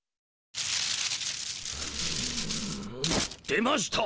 出ました！